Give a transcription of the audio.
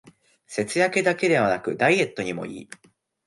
節約だけでなくダイエットにもいい